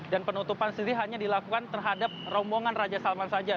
dan penutupan sendiri hanya dilakukan terhadap rombongan raja salman saja